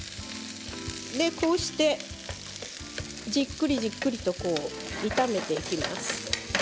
こうしてじっくりじっくりと炒めていきます。